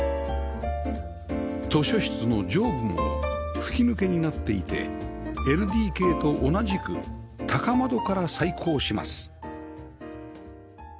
図書室の上部も吹き抜けになっていて ＬＤＫ と同じく高窓から採光します